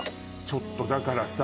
ちょっとだからさ。